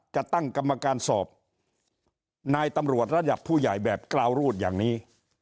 จะตั้งกรรมการสอบนายตำรวจระดับผู้ใหญ่แบบกราวรูดอย่างนี้